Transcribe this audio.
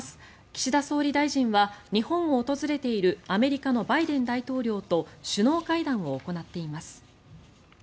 岸田総理大臣は日本を訪れているアメリカのバイデン大統領と首脳会談を行っています。